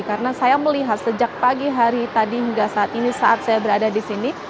karena saya melihat sejak pagi hari tadi hingga saat ini saat saya berada di sini